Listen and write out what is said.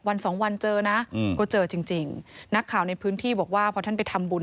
วันสองวันเจอนะอืมก็เจอจริงจริงนักข่าวในพื้นที่บอกว่าพอท่านไปทำบุญ